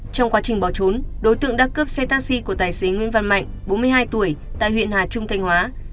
trong quá trình bỏ trốn đối tượng đã cướp xe taxi của tài xế nguyễn văn mạnh bốn mươi hai tuổi tại huyện hà trung thanh hóa